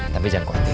tapi jangan khawatir